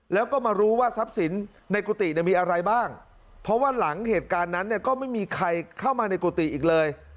แล้วก็มารู้ว่าทรัพย์สินในกุฏิมีอะไรบ้างเพราะว่าหลังเหตุการณ์นั้นเนี่ยก็ไม่มีใครเข้ามาในกุฏิอีกเลย